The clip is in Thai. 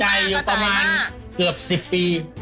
อยู่ประมาณเกือบ๑๐ปี